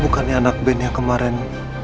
bukan itu anak ben yang kemarin